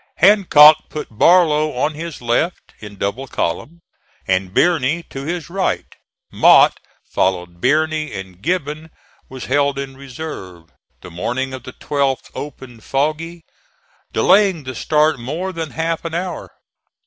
Hancock put Barlow on his left, in double column, and Birney to his right. Mott followed Birney, and Gibbon was held in reserve. The morning of the 12th opened foggy, delaying the start more than half an hour.